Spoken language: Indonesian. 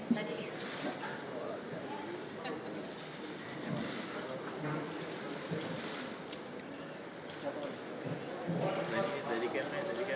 tadi ini jadi kamera ini jadi kamera